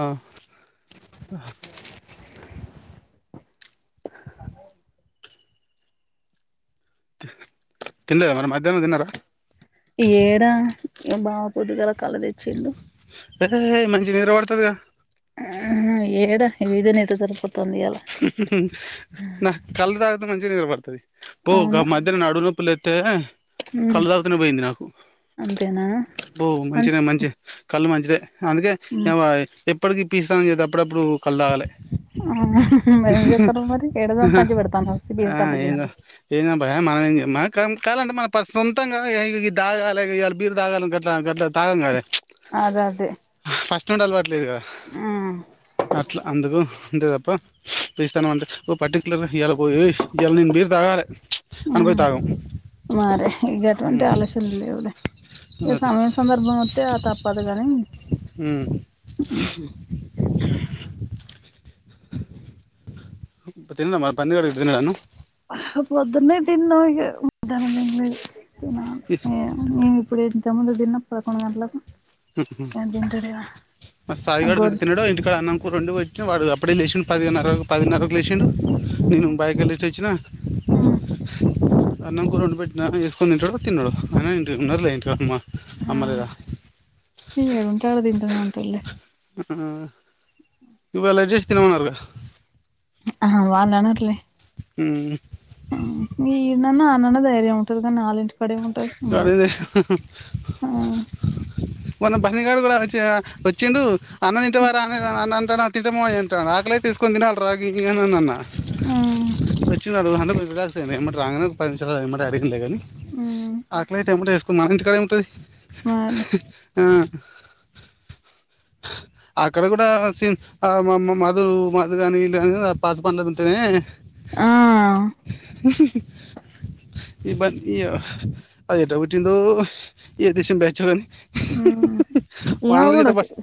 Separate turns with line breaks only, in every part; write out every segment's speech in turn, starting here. ఆ తిన్నర మరి మధ్యాహ్నం తిన్నారా
ఏడా బావ పొద్దుగల కల్లు తెచ్చిండు
ఈ మంచిగ నిద్ర పడతది గ
ఉ ఏడా ఇది ఇదినె ఎట [unintelligible]
నా కల్ల్ ద త మంచిగ కనపడ్తది. పో గ
అవును
మధ్యన నడుంనొ ప్పులేత్తే
మ్
కల్లు తావుతానే పోయింది నాకు,
అంతేనా
బో మంచినే మంచి కల్లు మంచిదె అందుకే
మ్
ఎవ ఎప్ ఇప్పడికి ఇప్పిసన్ చేద అప్పుడప్పుడు కల్ తాగాలె.
హ మరి ఎం చేత్తనవ్ మరి ఏడదం పంచి పెడతాన్నవ్
ఆ
సిబియత్తానం చేసి
ఏందో కాలండి మనం పస్స్ సొంతంగా ఇగ ఇది దాగాలే ఇయల బీరు తాగాలని గట్ల గట్ల తాగంగదె.
అద అదే
తుండల్ వట్ల్ లేదుగద
మ్
అట్ల అందుకు ఎంతేదప్ప పిస్తాను అంటే ఓ పర్టిక్యులర్ ఇయల [unintelligible] ఇయల నేను బీరు తాగాలే అని
ఆ
పోయి తాగం
మరే ఇక అటువంటి ఆలోస్నల్ లేవులే, ఇక
అది
సమయం సందర్భం వత్తే ఆ తప్పదు కాని, ఉహు
తి తిందమ పంన్నిగడు [unintelligible] నన్ను
పొద్దున్నే తిన్నాం ఇగ, దాని నిన్నే తిన ఏ అన్నీ ఇప్పుడె ఇంతముందు దిన్నం పదకొండు గంట్లకు
ఉహు, మా సాయిగాడు ఇడ
గోర్
తినడు ఇంటికాడ అన్నం కు రెండువెట్ట్నం వాడు అప్పడే లేసండు, పదిన్నరకు పదిన్నరకు లేసిండు. నేను
అమ్మ
బైక ఎల్లేచొచ్చ్నా అన్నం కూర వండిపెట్ట్న ఏస్కొని తింటడొ, తిన్నడొ ఐన ఏంటి ఉన్నరుల్లే ఇంటికడ అమ్మ అమ్మ లేేద.
ఎదుంటే అదింటనే ఉంటలే
ఇళ అడ్జెస్ట్ తినమనాన్నారుకా
అహ వల్నానట్లే
హ్మ్
మీ నన్న ఆ నాన్న ధైర్యయం ఉంటుంది కానీ ఆాలుం పనేముంటది
వాడు
ఉండదు
ఏం చేసిండు
ఊ
కొన్న బన్ని గాడు కూడా వచ్చి వచ్చిండు అన్న తింటావార అ అ అంటాను తింటామో అని అంటాడు ఆకలే తీసుకొని తినాలి రా గి అని అని అన్న
ఆ
అ ఏట రాంగనే పరి ఏట అరిగిలే కానీ
మ్మ్
కు మాడ ఎ
మరి
ఆ అక్కడ కూడా మామ్ మధు మాధు కాగానీ వల్ళ పాత పంది ఉంటేనే అ
ఆ
ఇ బ ఇ అది ఏట కుటిందో ఏ దేశం బ్యాచ్ కాని
ఆ ఈమో కూడా వొస్తది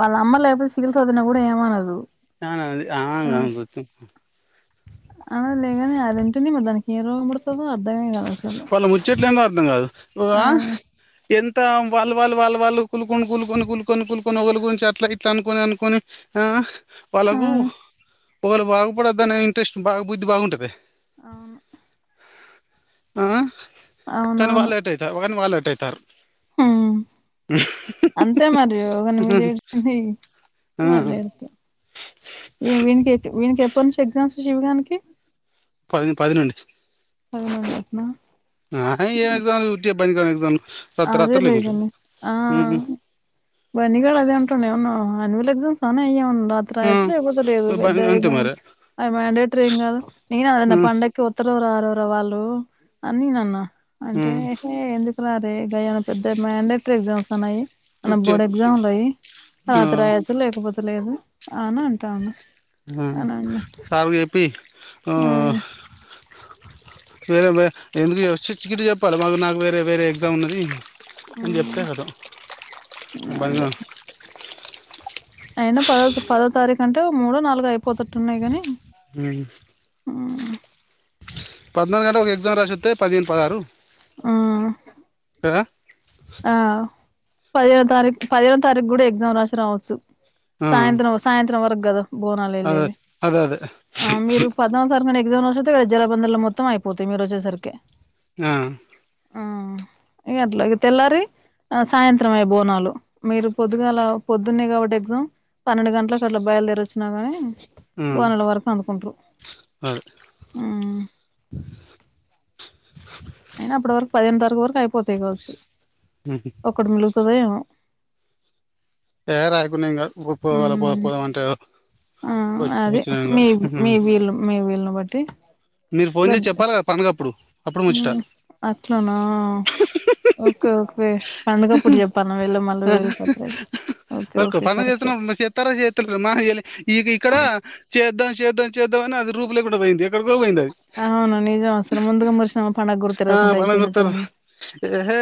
వాళ్ళ అమ్మ లే చికిత్స అధిన కూడా ఏమనదు
చనాంది ఆతు
అన లేనే అదింట ని మదానికి ఏరోగబడుతదో అర్ధమే కాదు అసలు
వాళ్లు ముచ్చేట్లు ఎంతో అర్థం కాదు
ఆ
ఎంత ఇ వాళ్ళ వాళ్ళు వాళ్ళ వాళ్ళు కులుకొని కూలుకొని కూలుకొని కూలుకొని ఒకళ్ళ గురించి అట్లా ఇట్లా అనుకోని అనుకొని
ఆ
వాళ్ళకు పోలు బరకపోడతే దా ఇంట్రస్ట్ బాగా బుద్ధి బాగుంటుది
అవును
ఆ కనీ వాళ్ళట్ అయితే అని వాళ అట్టేతారు
మ్ అంతే మరి ఎవని మీద ఏంది
ఆ
మరి వీనికి వీనికి ఎప్ప నుంచి ఎగ్జామ్స్ శివగాన్ కి
పది పది నుండి
పదకొండున
ఆ ఏ ఎగ్జామ్ లు వూరికే పనికిరాని ఎగ్జామ్లు
అదే లే ఇదనే ఆ బనిగా అదే ఉంటనే అవును అనివల సా అను త్ర లేకపోతేలేదు పెద్ద
బని
అ
అంతే మరి
అవి మాండేటరీ ఏం కాదు నేను అన్న పండక్కి ఒత్తర రారోరా వాళ్ళు అన్ని నాన్న అంటే ఏ ఎందుకున్నారు గాయాన పెద్ద మండటరీ ఎగ్జామ్స్ ఉన్నాయి అ
ఉట్టి
బోర్డు ఎగ్జామ్లు అయి తత్ర రాయాచ్చ లేకపోతే లేదు అని అంటాండు అనండి
సార్గ అపీ ఆ వేరే ఎందుకు చి కిట్ చెప్పాలి మాకు నాకు వేరే వేరే ఎగ్జామ్ ఉన్నది చెప్తే కదు బను
అదే అయినా పదో పదో తారీఖు అంటే మూడో నాలుగుో అయిపోతు న్నాయి కానీ
పద్నాలుగు గంట ఒక ఎగ్జామ్ రాసిస్తే పదిహేను పదహారు
ఆ
కదా
ఆ పదిహేో తారీఖు పదిహేో తారీఖు కూడా ఎగ్జా రాసి రావచ్చు సాయంత న సాయంత చి వర్ బోనాలు వె
అదే
లేది
అదే అదే
ఆ మీరు పద్నాలుగు తర ఎగాడ జలబందలు మొత్తం అయిపోతా మీరు వచ్చేసరికి
ఆ
ఆ ఇక అట్లా ఇక తెల్లారి సాయంత్రమ అయ బోనాలు మీరు పొద్దుగా అలా పొద్దున్నాయి కాబట్టి ఎగ్జామ్ పన్నెండు గంటలకు అట్లా బయలుదేర వచ్చినా కానీ పోఊ నల వరకు అంతకుంటరు
అదే
అయినా అప్పుడు వరకు పదిహేను తారీు వరకు అయిపోతాయి కావచ్చు ఒకటి మిలుగుతుదమో
ఏ రాయకుండా ఏం కాదు పోవాల పో
మ్మ్
పోదామంటే
ఆ
వచ్చి
అది
వచ్చినా ఏం
మీ
కాదు
మీ వీళ్ళ మీ వీళ్ళను బట్టి
మీరు ఫోన్ చేసి
పెద్ద
చెప్పాలి కదా పండుగ అప్పుడు అప్పుడు ముచ్చట
అట్లానా ఓకే ఓకే పండుగప్పుడు చెప్పాను వెళ్ళ మళ్ళీ వేరు సపరేట్ ఓకే
వరకు
ఓకే
పను
కరెక్ట్
చేస్తున్నా చేత్తారా చేతులు మా ఇక ఇక్కడ చేద్దాం చేద్దాం చేద్దా అ రూపలే కూడా పోయింది ఎక్కడకో పోయింది అది
అవును నిజం అసలు ముందుగా మురిసినామా పండగ కూడా
ఆ
తిరగకుండా
ప గుర్తారు
అయిపోయినట్టేంది
ఏహే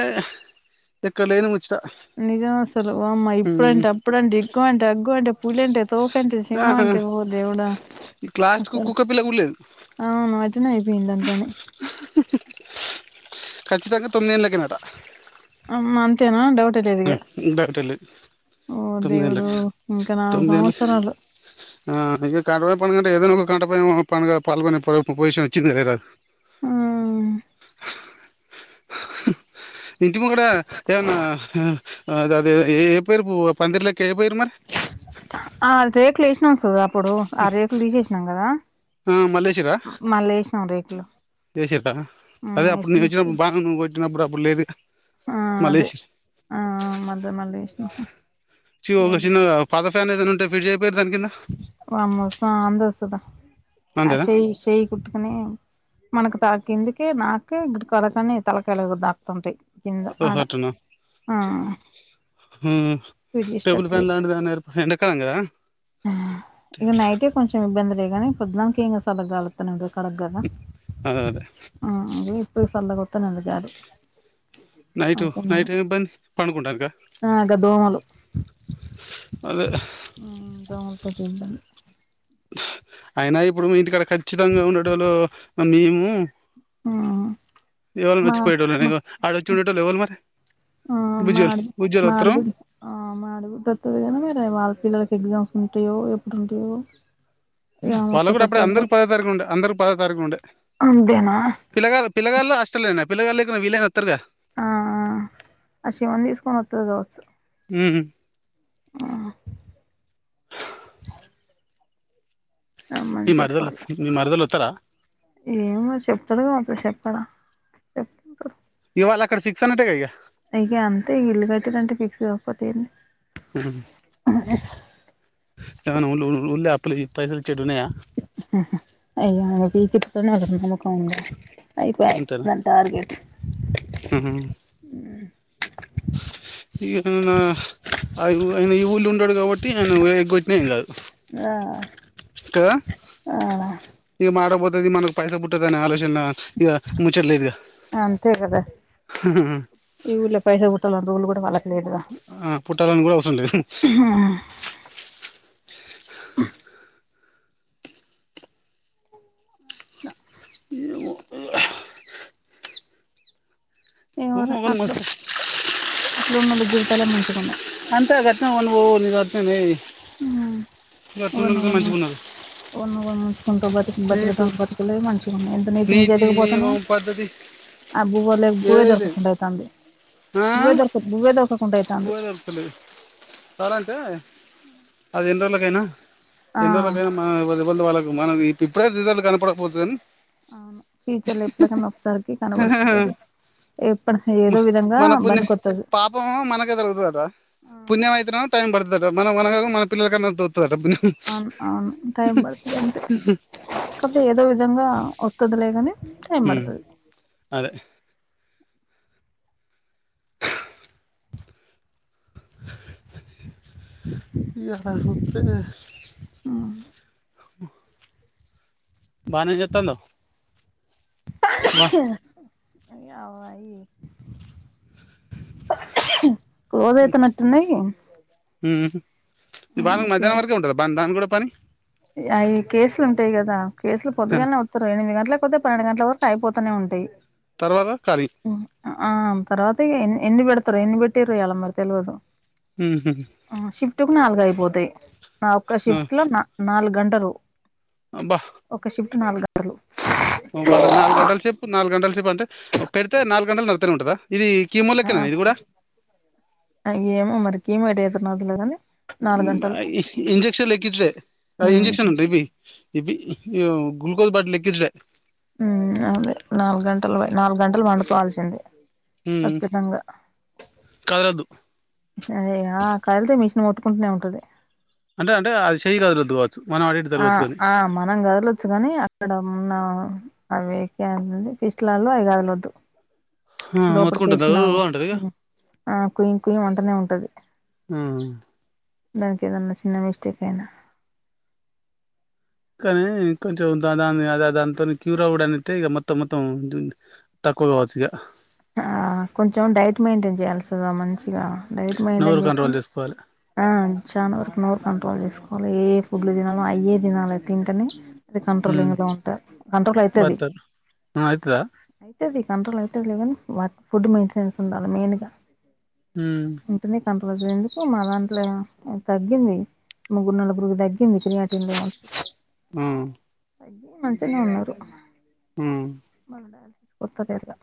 ఎక్కడ లేని ముచ్చట
నిజమా అసలు వామ్మో అప్పుడంటే అప్పుడంటే ఎగ్గువ అంటే అగ్గు అంటే పులి అంటే తోకంటే సింహ
ఆహా
అంటే ఓ దేవుడా
లాస్ట్ కు
అసలు
కుక్క పిల్ల కూడా లేదు
అవును మజన అయిపోయిందాని పని
కచ్చితంగా తొమ్మిది గంటలకైనాట
అమ్ అంతేనా డౌట్
ఉంటట
ఓ
తొమ్
దేవుడు ఇంకా నాలుగు
తొమ్మిి నల్
సంవత్సరాలు
కడవ పంగా ఏదైనా క పగా పాల్గ పొజషన్ వచ్చింది ఇంటి మాక్కడ ఏన్న ఉహ్ అదదే ఏ ఏపేర్పూ పందిర్లేక ఏపోరు మరీ
ఆ దేక్లేష్ నో సుధర్ ఇప్పుడు ఆ రేకులు తీసేసినాం కదా.
ఆ
మళ్ళీ ఏసినాం రేకులు
ఎషిడా అదే అప్పుడు నేన్
వేసినాం
వచ్చినప్పుడు బాను నువ్వు కొట్టినప్పుడు అప్పుడు లేదుగా
ఆ అదే
మల్లేసి
ఆ మళ్ళీ మళ్ళీ వేసినాం
చి ఓ ఒక చిన్న పద ఫ్యాన్ ఏదైనుంటే. ఫిడ్ చెయ్యపోయిర్ దాని కింద.
వామ్మో సాందోస్తదా ఆ
అంతేనా
చేయ్ ఈ చేయ్ కుట్టుకునేే మనకుత్ తల కిందికే నాకే గుడి [unintelligible] కరకని తలకాయ్ళక్ దాకుతుంటాయి. కింద
ఓహొ
ఆడ
అటనా
ఆ
హ్ హ్మ
ఫిట్
టేబుల్ ఫ్యాన్ దన్టి దైనే ర్ప్ ఎండక్ కాంగా
హ్మ్ ఇగ నైటె కొంచెం ఇబంద్ గానీ పోద్దున్దకేంగద్ సల్లగాలోతనే ఉంటద్ కడగల్నా
అదే అదే
అ ఇప్పుడు సల్ల గోత్ విత్తనలు జాలు
నైటు నైట్ ఏ ఇబ్బంది. పనుకుంటనీకా
ఆ గా దోమలు
అదదే
దోమల్తోటిబ్బంది.
అయినా ఇప్పుడు మీ ఇంటికడ ఖచ్చితంగా ఉండేటోలు మేము హ్మ్
మాహ్ మా
వచ్చిపోయేటోళ్ళని
మ
ఆడ వచ్చి
హ్
ఉండేటోళ్ళు ఎవలు మరి
ఆ మా
బుజ్జోళ్ళు
ఆడ్బి ఆ
బుజ్జోళ్ళు
మా
వత్తరు
ఆడ్బిడ్ మా ఆడ్బిడోత్తదిగని మరే వాళ్ళ పిల్లలకి ఎగ్జామ్. ఉంటాయో ఎప్పుడుంటాయో
వాళ్ళ గూడా అప్డే అందర్ పదో తారీక్ ఉంటయ్ అందరుక్ పదో త్ తారీక్ ఉండే
అంతేనా
పిల్లగాల్ పిల్లగాళ్ళు అష్టలేనాయ్ పిల్లగాల్లేకున్న వీలైనా వోత్తర్గా
ఆహ్ ఆ అ శవం తీసుకొని వత్తరు కావచ్చు.
హ్మ్ హు
ఆహ్
నీ
రమ్మని
మరిదల్
చెప్పాలి
నీ మరిదలో త్ త్తాదా
ఏమో చెప్తాడో అసల్ చెప్పాడా చెపుంటడు.
వలాక్కడ ఫక్సాన్ట్టే ఇగ
పతేర్ని
ఉహ్ హు ఏమన్నా ఉ ఊ ఊళ్ళో అప్పులవి పైసలు ఇచ్చేటివి ఉన్నయా
అయ్యతి పట్ట [unintelligible] ఆ అయిపాయి దాని టార్గెట్
ఆహ ఈ ఆయన ఈ ఊళ్ళో ఉండడు కాబట్టి ఆయన ఎగొట్టిన ఏం కాదు
ఆ
కదా
ఆ
ఇక మాటపోతది మనకు పైస పుట్టదని ఆలోచన ఇక ముచ్చట్లేదు ఇక
అంతే కదా ఇ ఊర్లో పైసా పూట్టాల అ కూడాళ్ [unintelligible]
ఆ పుట్టాలనీ కూడా అవసరం లేదు మగన్ మంచిా [unintelligible]
లోన్లోల్ల జీవితాలే మంచిగా ఉన్నాయి
అంతాఘట్న ఉ బ ని వ న [unintelligible]
ఆ ఒక
ఉన్నారు
ఒక ముంచుకుంట బ [unintelligible]
నీతు
బతకటానికి బతకలేం ఎంత నీతి నిజాయితీగ పోతనవు
నియమం పద్ధతి
అబ్బో వాళ్లకి బువే
ఏది లేదు
దొరుకకుండా అయితంది
ఆ బువ్వే దొరుకుతలేదు ఎలంటే
అ
అది ఎన్రోజులకి అయినా ఎన్రోజులకైనా మ ఎవల్ది వాళ్లకు మనవీ ఇపుడే రిజల్ట్ కనపడకపోవచ్చు గానీ
అవును ఫ్యూచర్ లో ఎప్పటికన్నా ఒకసారికి
కానీ
కనబడుతది ఎప్పుడు ఏదో విధంగా
మన పుణ్యం
పనికొత్తది
పాపం మనకే
ఆ
మనక [unintelligible] మన పిల్లలకన్నా
అవును అవును టైం పడుతది అంతే కాపోతే ఏదో విధంగా వస్తదిలే కాని టైమ్
ఉమ్
పడతది
అదే ఇడంత [inaudible] బానే జెతాండవ్ బా
అ ఆయి [unintelligible] రోజు అయితునట్టున్నాయి
ఇవాళ మధ్యాహనం వరకే ఉంటుందా బంద్ దాని కూడా పని
అయి కేసులు ఉంటాయి కదా కేసులు పొద్దుగాల్నే వత్తరు ఎమిది గంటలక్ పన్నెండు గంట్ల వరకు అయిపోతనే ఉంటాయి
తర్వాత ఖాళీ
ఆ తర్వాత ఇగ ఎన్ ఎన్ని పెడతారో ఎన్ని పెట్టిరో ఇయాల మరి తెలవదు
మ్మహ్
నాలుగయిపోతయి నా ఒక్క షిఫ్ట్ లో నా నాలుగు గంటలు
అబ్బా
నాలుగంటలు
వాళ్ళకి నాలుగు గంటల సేపు నాలుగు గంటలు సేపు అంటే పెడితే నాలుగు గంటలు నడుతనే ఉంటందా
ఆ, అ ఏమొ మరి కీమొ మరి ఎట్టా చే ఉత్తర్నాదులో గానీ
అ ఇ ఇంజెక్షన్ లెక్కించుడే, అ
ఉమ్
ఇంజెక్షన్ ఉంటద్ బి ఇబి ఇవేమో గ్లుూకోజ బాటిలెక్కించుడే
మ్మ్ అదే నాలుగు గంటలు, నాలుగు గంటలు పండుకోవాల్సిందే
ఉమ్
ఖచ్చితంగా,
కదలద్దు
అదే గా కదిల్తే మిషన్ మొత్ కుంటనే ఉంటది
అంటే అంటే అది చేయదగ్గలోద్దు వ
ఆ ఆ మనం కదలొచ్చు కానీ అక్కడ ఉన్న అవేకే అనీ ఫిస్ట్ లాలో అవి కదలోద్దు
ఆ
లోపటికీ
మొత్తుకుంటుంది ఓ
ఎషినావు
ఓ అంటది ఇగ
ఆ కుయ్ కుయ్ మంటనే ఉంటది టది
ఆ
దానకేదన్నా చిన్న మిస్టేక్ అయినా
కానీ కొంచెం దాన్ దాని అద్ అద్ దానితోని క్యూరా ఉఊడ్ అంటే ఇగ మొత్తం మొత్తం తక్కువగావచ్చు ఇగ
ఆ కొంచెం డైట్ మెయింటైన్ జయల్సిందిగ మంచ్ ఇగా డైట్ మెయింటైన్
నోరు
చేస్తే,
కంట్రోల్ చేసుకోవాలి
ఆ చాలా వరకు నోరు కంట్రోల్ చేసుకు మళ్ళా ఏ ఫుడ్లు తినాలో అయ్యే తినాలే తింటనే అది
ఉమ్
కంట్రోలింగ్ లో ఉంటది కంట్రోల్ అయితాది,
బత్తర్ ఆ అయితదా
అయితది కంట్రోల్ అయితదిలేగాని వాటి ఫుడ్ మెయింటెనెన్స్ ఉండాలి మెయిన్గా
ఉమ్
ఉంటుంది కంట్రోల్ ఎందుకు మా దాంట్లే తగ్గింది ముగ్గురు నలుగురుగుకు తగ్గింది క్రిర్యాటి ఉండే వాళ్లకి
ఆ
తగ్గి మంచిగానే ఉన్నారు
ఉమ్
మన [inaudible] [unintelligible] దుగా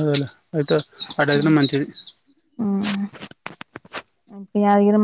అదేలే అయితే అడగిన మంచిది
ఇగ [unintelligible]